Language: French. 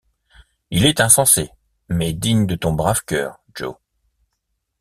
Il est insensé, mais digne de ton brave cœur, Joe.